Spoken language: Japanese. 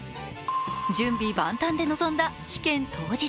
準備万端で臨んだ試験当日。